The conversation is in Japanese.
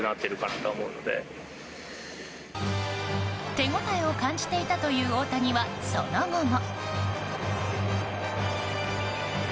手応えを感じていたという大谷はその後も。